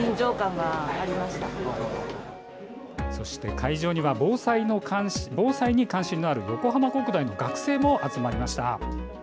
会場には防災に関心のある横浜国大の学生も集まりました。